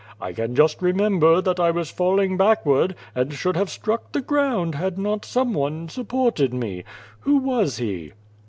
I can just remember that I was falling back ward, and should have struck the ground had not some one supported me. Who was he?"